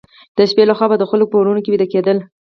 د شپې لخوا به د خلکو په کورونو کې ویده کېدل.